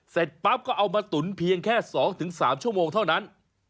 เสร็จปั๊บก็เอามาตุ๋นเพียงแค่๒๓ชั่วโมงเท่านั้น